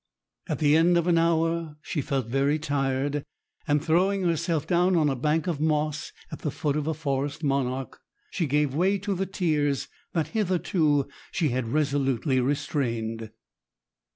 At the end of an hour she felt very tired, and throwing herself down on a bank of moss at the foot of a forest monarch, gave way to the tears that hitherto she had resolutely restrained.